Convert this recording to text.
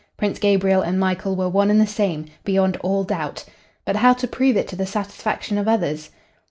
Prince Gabriel and Michael were one and the same, beyond all doubt. But how to prove it to the satisfaction of others?